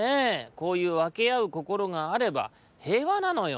こういうわけあうこころがあれば平和なのよ。